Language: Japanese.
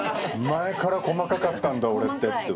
前から細かかったんだ俺って。